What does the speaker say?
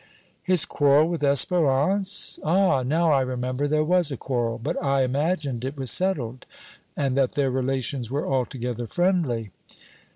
"His quarrel with Espérance? Ah! now I remember, there was a quarrel, but I imagined it was settled, and that their relations were altogether friendly."